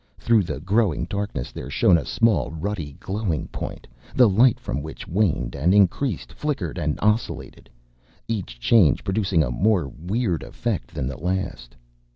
Through the growing darkness there shone a small, ruddy, glowing point, the light from which waned and increased, flickered and oscillated, each change producing a more weird effect than the last.